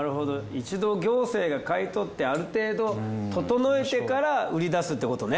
一度行政が買い取ってある程度整えてから売り出すってことね。